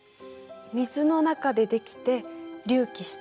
水の中でできて隆起した。